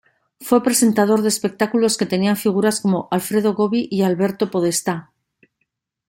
Fue presentador de espectáculos que tenían figuras como Alfredo Gobbi y Alberto Podestá.